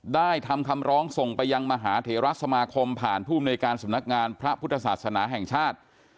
ได้ทำคำร้องส่งไปยังมหาเถระสมาคมผ่านภูมิในการสำนักงานพระพุทธศาสนาแห่งชาติ